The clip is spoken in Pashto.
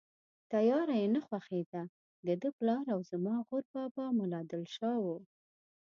تیاره یې نه خوښېده، دده پلار او زما غور بابا ملا دل شاه و.